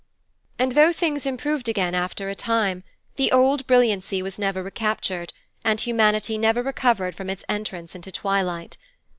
And though things improved again after a time, the old brilliancy was never recaptured, and humanity never recovered from its entrance into twilight.